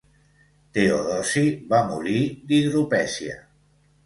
Teodosi va morir d'hidropesia.